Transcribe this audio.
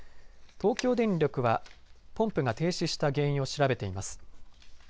東京電力はポンプが停止した原因を調べています。